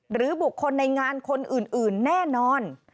หรือบุคคลในงานคนอื่นแน่นอน